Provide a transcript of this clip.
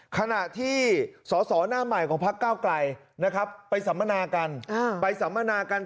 ขณะที่สอหน้าใหม่ของภักดิ์เก้ากลัยไปสำนาคัน